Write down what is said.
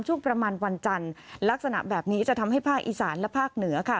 ช่วงประมาณวันจันทร์ลักษณะแบบนี้จะทำให้ภาคอีสานและภาคเหนือค่ะ